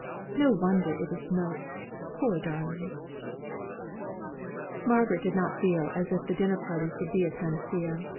No wonder it is moped, poor darling!" Margaret did not feel as if the dinner parties would be a panacea.